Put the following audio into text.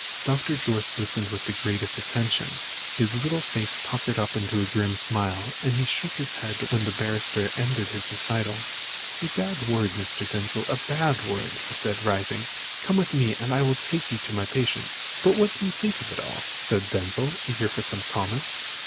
Doctor Jorce listened with the greatest attention, his little face puckered up into a grim smile, and shook his head when the barrister ended his recital. "A bad world, Mr. Denzil, a bad world!" he said, rising. "Come with me, and I'll take you to see my patient." "But what do you think of it all?" said Denzil, eager for some comment.